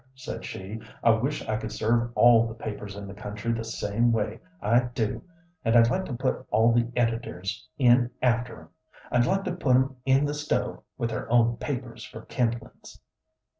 said she; "I wish I could serve all the papers in the country the same way. I do, and I'd like to put all the editors in after 'em. I'd like to put 'em in the stove with their own papers for kindlin's."